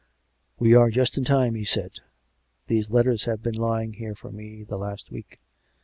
" We are just in time," he said. " These letters have been lying here for me the last week.